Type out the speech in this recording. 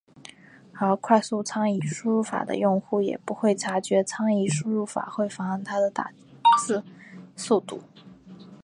而快速仓颉输入法的用户也不会察觉仓颉输入法会妨碍他的打字速度。